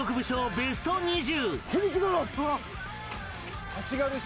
ベスト２０